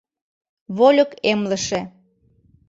ВОЛЬЫК ЭМЛЫШЕ